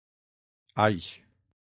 Aix